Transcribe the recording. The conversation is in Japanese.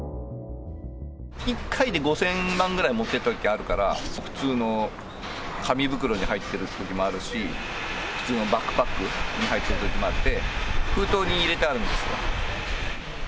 １回で５０００万ぐらい持ってったときあるから、普通の紙袋に入ってるときもあるし、普通のバッグパックに入ってるときもあって、封筒に入れてあるんですよ。